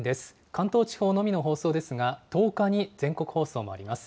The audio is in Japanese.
関東地方のみの放送ですが、１０日に全国放送もあります。